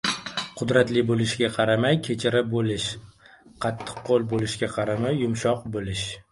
— Qudratli bo‘lishiga qaramay, kechira bilish; qattiqqo‘l bo‘lishiga qaramay, yumshay bilish;